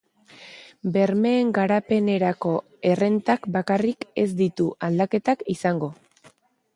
Bermeen garapenerako errentak bakarrik ez ditu aldaketak izango.